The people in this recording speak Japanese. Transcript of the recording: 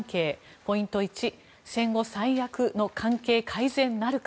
ポイント１戦後最悪の関係改善なるか